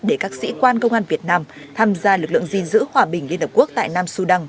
để các sĩ quan công an việt nam tham gia lực lượng gìn giữ hòa bình liên hợp quốc tại nam sudan